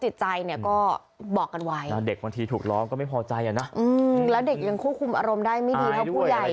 เด็กยังควบคุมกับอารมณ์ไม่ดี